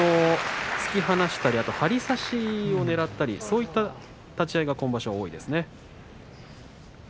突き放したり張り差しをねらったりそういった立ち合いが今場所、多いですね。